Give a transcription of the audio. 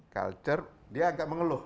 culture dia agak mengeluh